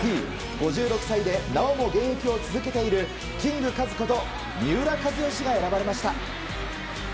５６歳でなおも現役を続けているキングカズこと三浦知良が選ばれました。